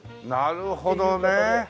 なるほどね。